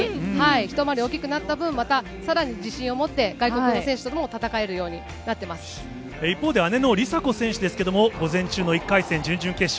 一回り大きくなった分、またさらに自信を持って、外国の選手とも一方で姉の梨紗子選手ですけれども、午前中の１回戦、準々決勝。